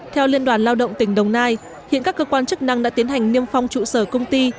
theo liên đoàn lao động tỉnh đồng nai hiện các cơ quan chức năng đã tiến hành niêm phong trụ sở công ty